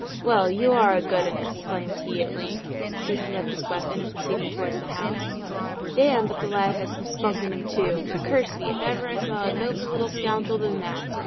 "Well, you are a good 'un!" exclaimed he, at length, taking up his weapon and proceeding towards the house. "Damme, but the lad has some spunk in him, too. Curse me, if ever I saw a nobler little scoundrel than that.